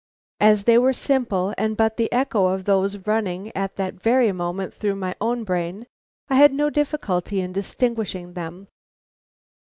As they were simple and but the echo of those running at that very moment through my own brain, I had no difficulty in distinguishing them.